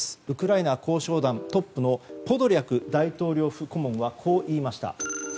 ウクライナ交渉団トップのポドリャク大統領顧問はこう言いました。